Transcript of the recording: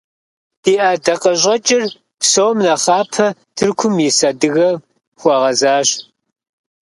Ди ӀэдакъэщӀэкӀыр, псом нэхъапэ, Тыркум ис адыгэм хуэгъэзащ.